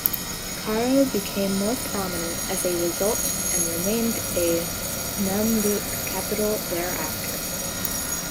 Cairo became more prominent as a result and remained a Mamluk capital thereafter.